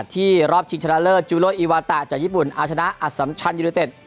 รอบชิงชนะเลิศจูโลอีวาตะจากญี่ปุ่นเอาชนะอสัมชันยูเนเต็ด